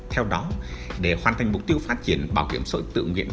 theo đó để hoàn thành mục tiêu phát triển bảo hiểm xã hội tự nguyện